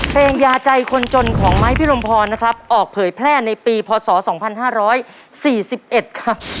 ยาใจคนจนของไม้พิรมพรนะครับออกเผยแพร่ในปีพศ๒๕๔๑ครับ